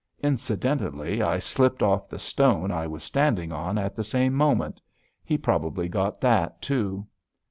Incidentally, I slipped off the stone I was standing on at the same moment. He probably got that, too.